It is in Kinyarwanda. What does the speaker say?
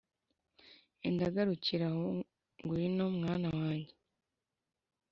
enda garukira aho ngwino mwana wanjye,